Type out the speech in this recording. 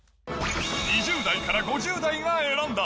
２０代から５０代が選んだ！